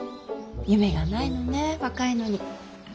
夢がないのねえ若いのに。